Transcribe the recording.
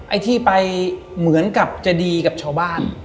ไอ้ที่ไปเหมือนกับจะดีกับชาวบ้าน